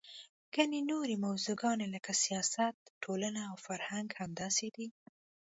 ګڼې نورې موضوعګانې لکه سیاست، ټولنه او فرهنګ همداسې دي.